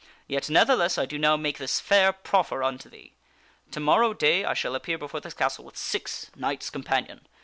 Yet, ne'theless, I do now make this fair proffer unto thee. To morrow day I shall appear before this castle with six knights companion.